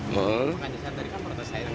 makanya saya tadi kan protes air